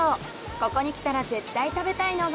ここに来たら絶対食べたいのが。